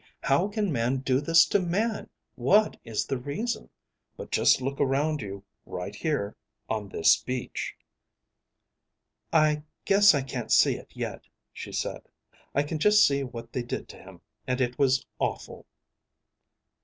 How can man do this to man? What is the reason?' But just look around you, right here. On this beach." "I guess I can't see it yet," she said. "I can just see what they did to him, and it was awful."